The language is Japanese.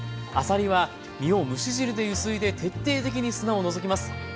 あさりは身を蒸し汁でゆすいで徹底的に砂を除きます。